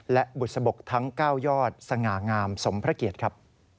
และบุษบกทั้ง๙ยอดสง่างามสมพระเกียรติครับ